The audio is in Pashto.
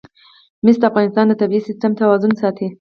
مس د افغانستان د طبعي سیسټم توازن ساتي.